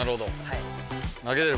はい。